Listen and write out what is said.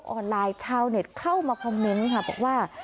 หรือโลกออนไลน์ชาวเน็ตเข้ามาคอมเมนต์บอกว่า